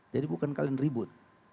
jadi bukan kalian ribut